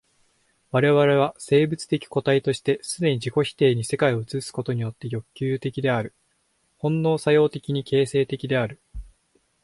我々は生物的個体として既に自己否定的に世界を映すことによって欲求的である、本能作用的に形成的である。